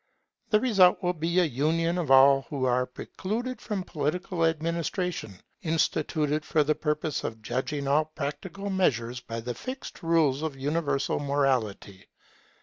The result will be a union of all who are precluded from political administration, instituted for the purpose of judging all practical measures by the fixed rules of universal morality.